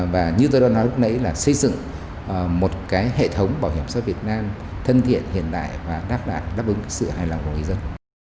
và như tôi đã nói lúc nãy là xây dựng một hệ thống bảo hiểm xã hội việt nam thân thiện hiện đại và đáp ứng sự hài lòng của người dân